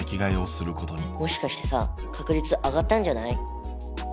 もしかしてさ確率上がったんじゃない？